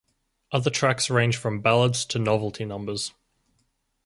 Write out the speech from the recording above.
Other tracks range from ballads to novelty numbers.